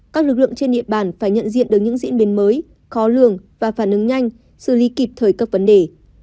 các lực lượng trên địa bàn phải nhận diện được những diễn biến mới khó lường và phản ứng nhanh xử lý kịp thời các vấn đề